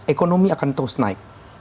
ekonomi akan terus naik